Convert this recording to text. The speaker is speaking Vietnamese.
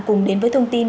cùng đến với thông tin